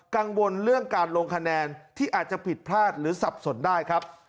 กังวลเรื่องการลงคะแนนที่อาจจะผิดพลาดหรือสับสนได้ครับ